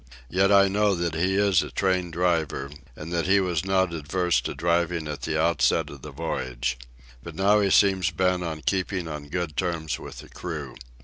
Yet I know that he is a trained driver, and that he was not averse to driving at the outset of the voyage. But now he seems bent on keeping on good terms with the crew.